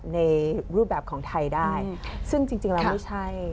ในรูปแบบของไทยได้ซึ่งจริงแล้วไม่ใช่